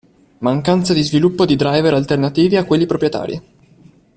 Mancanza di sviluppo di driver alternativi a quelli proprietari.